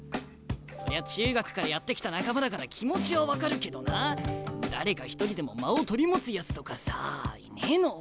そりゃ中学からやってきた仲間だから気持ちは分かるけどな誰か一人でも間を取り持つやつとかさあいねえの？